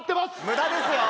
無駄ですよ